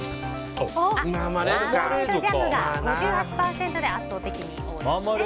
マーマレードジャムが５８％で圧倒的に多いですね。